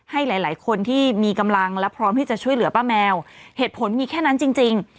ให้หลายหลายคนที่มีกำลังและพร้อมที่จะช่วยเหลือป้าแมวเหตุผลมีแค่นั้นจริงจริง